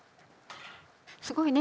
すごいね。